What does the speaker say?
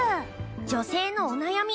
女性のお悩み